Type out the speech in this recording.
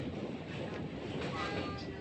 Masoko yalifunguka kwa bidhaa za Kampala